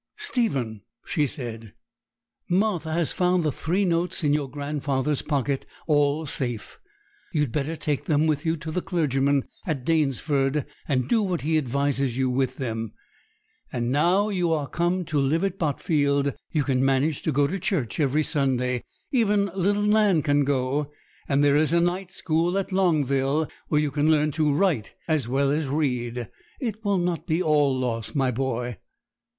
'Stephen,' she said, 'Martha has found the three notes in your grandfather's pocket all safe. You had better take them with you to the clergyman at Danesford, and do what he advises you with them. And now you are come to live at Botfield, you can manage to go to church every Sunday; even little Nan can go; and there is a night school at Longville, where you can learn to write as well as read. It will not be all loss, my boy.'